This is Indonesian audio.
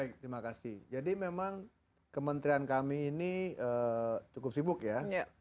baik terima kasih jadi memang kementerian kami ini cukup sibuk ya